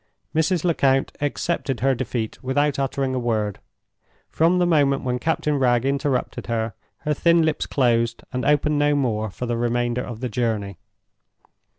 Mrs. Lecount accepted her defeat without uttering a word. From the moment when Captain Wragge interrupted her, her thin lips closed and opened no more for the remainder of the journey.